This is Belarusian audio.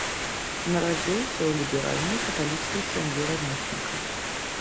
Нарадзіўся ў ліберальнай каталіцкай сям'і рамесніка.